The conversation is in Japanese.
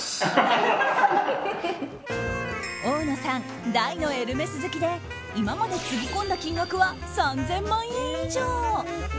大野さん、大のエルメス好きで今までつぎ込んだ金額は３０００万円以上。